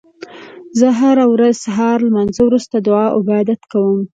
زه هره ورځ د سهار لمانځه وروسته دعا او عبادت کوم